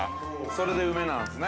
それで梅なんですね。